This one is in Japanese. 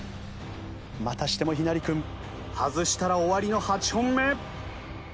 またしても陽成君外したら終わりの８本目。